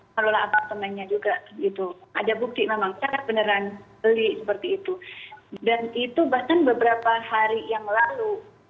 melalui apartemennya juga gitu ada bukti memang saya beneran beli seperti itu dan itu bahkan beberapa hari yang lalu